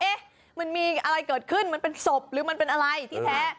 มันมีอะไรเกิดขึ้นมันเป็นศพหรือมันเป็นอะไรที่แท้